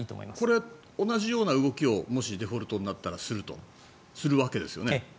これ、同じような動きをもしデフォルトになったらするわけですよね。